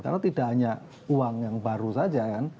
karena tidak hanya uang yang baru saja ya